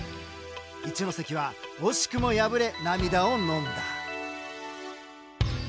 一関は惜しくも敗れ涙をのんだ。